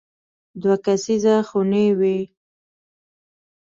دوه کسیزه خونې وې.